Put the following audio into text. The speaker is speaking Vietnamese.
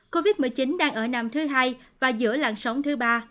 covid một mươi chín đang ở năm thứ hai và giữa làn sóng thứ ba